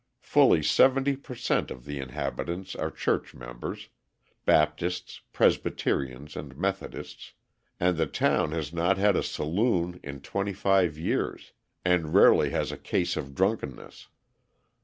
Fully 70 per cent. of the inhabitants are church members Baptists, Presbyterians, and Methodists and the town has not had a saloon in twenty five years and rarely has a case of drunkenness.